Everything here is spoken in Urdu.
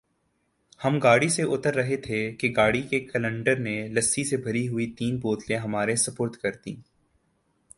ہم گاڑی سے اتر رہے تھے کہ گاڑی کے کلنڈر نے لسی سے بھری ہوئی تین بوتلیں ہمارے سپرد کر دیں